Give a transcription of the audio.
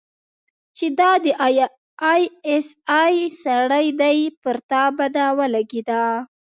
چې دا د آى اس آى سړى دى پر تا بده ولګېده.